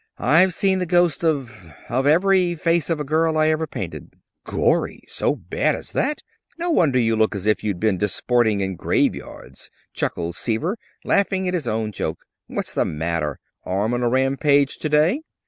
"I've seen the ghost of of every 'Face of a Girl' I ever painted." "Gorry! So bad as that? No wonder you look as if you'd been disporting in graveyards," chuckled Seaver, laughing at his own joke "What's the matter arm on a rampage to day?"